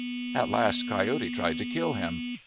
At last Coyote tried to kill him.